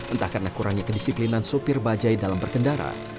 entah karena kurangnya kedisiplinan sopir bajaj dalam berkendara